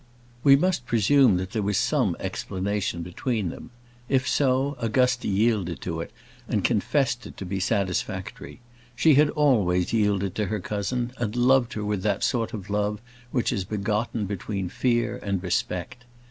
We must presume that there was some explanation between them. If so, Augusta yielded to it, and confessed it to be satisfactory. She had always yielded to her cousin, and loved her with that sort of love which is begotten between fear and respect.